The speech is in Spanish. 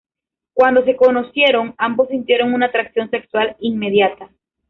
Cuando se conocieron, "ambos sintieron una atracción sexual inmediata".